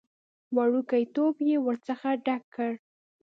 وړوکی ټيوب يې ورڅخه ډک کړ.